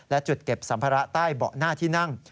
และจุดเก็บสัมภาระใต้เบาะหน้าที่นั่ง